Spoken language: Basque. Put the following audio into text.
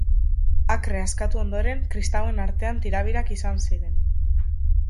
Akre askatu ondoren, kristauen artean tirabirak izan ziren.